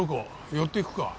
寄っていくか。